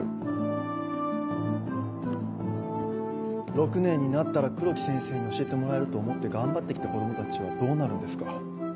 ６年になったら黒木先生に教えてもらえると思って頑張って来た子供たちはどうなるんですか。